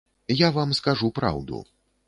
Я вам скажу праўду.